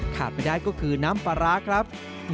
ขาดไม่ได้ก็คือน้ำปลาร้าครับ